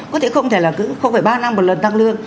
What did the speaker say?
có thể không phải ba năm một lần tăng lương